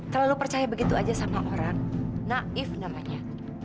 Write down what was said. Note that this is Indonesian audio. terlalu percaya begitu aja sama orang naif namanya